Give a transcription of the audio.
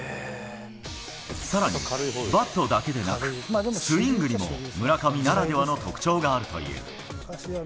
さらに、バットだけでなく、スイングにも村上ならではの特徴があるという。